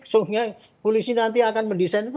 sehingga polisi nanti akan mendesain itu